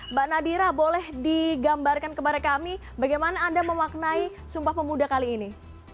mbak nadira boleh digambarkan kepada kami bagaimana anda memaknai sumpah pemuda kali ini